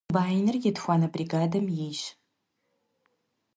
Комбайныр етхуанэ бригадэм ейщ.